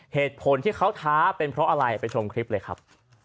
เหตุผลที่เขาท้าเป็นเพราะอะไรไปชมคลิปเลยครับ